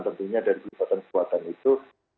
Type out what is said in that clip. dan tentunya dari pelibatan kekuatan itu